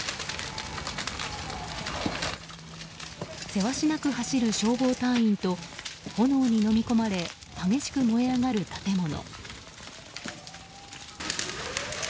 せわしなく走る消防隊員と炎にのみ込まれ激しく燃え上がる建物。